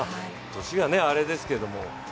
年があれですけれども。